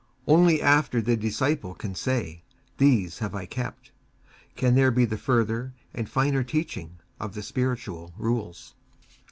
Only after the disciple can say, These have I kept, can there be the further and finer teaching of the spiritual Rules.